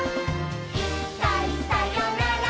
「いっかいさよなら